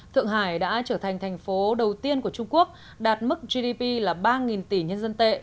thượng hải đã trở thành thành phố đầu tiên của trung quốc đạt mức gdp là ba tỷ nhân dân tệ